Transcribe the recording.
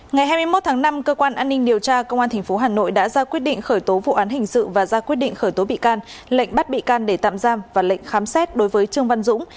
ngày hai mươi một tháng năm cơ quan an ninh điều tra công an tp hà nội đã ra quyết định khởi tố vụ án hình sự và ra quyết định khởi tố bị can lệnh bắt bị can để tạm giam và lệnh khám xét đối với trương văn dũng